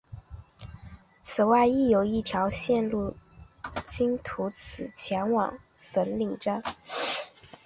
此外亦有一条路线途经此处前往粉岭站。